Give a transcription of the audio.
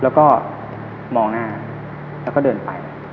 แล้วก็มองหน้าแล้วก็เดินไป